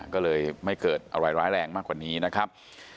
ก็เลยไม่เกิดอะไรร้ายแรงมากกว่านี้นะครับ